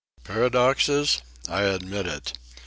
Paradoxes? I admit it.